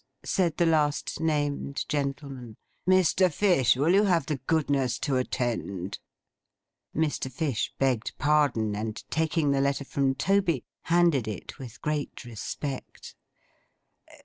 said the last named gentleman. 'Mr. Fish, will you have the goodness to attend?' Mr. Fish begged pardon, and taking the letter from Toby, handed it, with great respect.